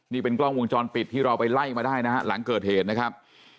นี่เป็นกล้องวงจรปิดที่เราไปไล่มาได้นะฮะหลังเกิดเหตุนะครับ